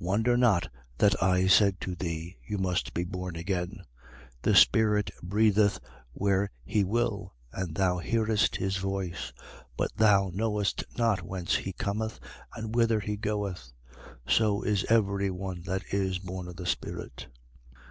3:7. Wonder not that I said to thee: You must be born again. 3:8. The Spirit breatheth where he will and thou hearest his voice: but thou knowest not whence he cometh and whither he goeth. So is every one that is born of the Spirit.